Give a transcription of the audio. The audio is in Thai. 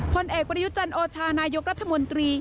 พลเอกบริยุจรรย์โอชานายกรัฐมนตรี